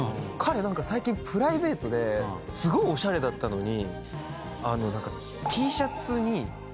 彼何か最近プライベートですごいおしゃれだったのに。